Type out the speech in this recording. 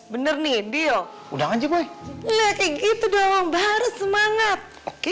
bener nih deal udah aja boy gitu doang baru semangat oke